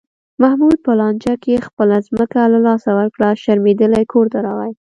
محمود په لانجه کې خپله ځمکه له لاسه ورکړه، شرمېدلی کورته راغی.